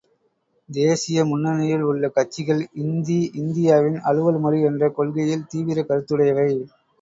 தேசிய முன்னணியில் உள்ள கட்சிகள், இந்தி இந்தியாவின் அலுவல் மொழி என்ற கொள்கையில் தீவிரக் கருத்துடையவை.